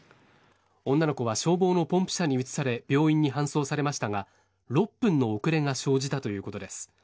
女の子は消防のポンプ車に移され病院に搬送されましたが６分の遅れが生じたということです。